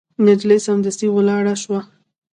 نجلۍ سمدستي ولاړه شوه.